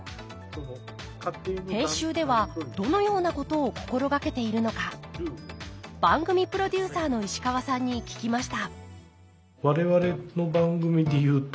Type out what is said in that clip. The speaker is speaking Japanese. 編集ではどのようなことを心掛けているのか番組プロデューサーの石川さんに聞きました